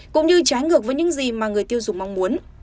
cũng như trái ngược với những gì mà người tiêu dùng mong muốn